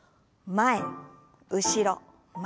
前後ろ前。